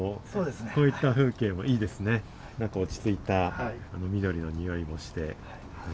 こういった風景もいいですねなんか落ち着いた緑の匂いもして。